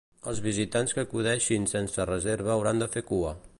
Els visitants que acudeixen sense reserva hauran de fer cua.